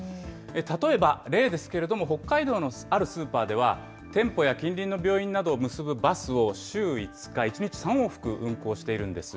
例えば例ですけれども、北海道のあるスーパーでは、店舗や近隣の病院などを結ぶバスを週５日、１日３往復運行しているんです。